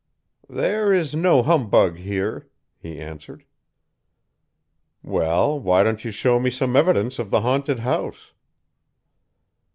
"'There is no humbug here,' he answered. "'Well, why don't you show me some evidence of the haunted house?'